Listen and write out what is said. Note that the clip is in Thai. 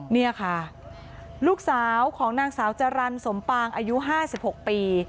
อ๋อเนี่ยค่ะลูกสาวของนางสาวจารัญสมปางอายุห้าสิบหกปี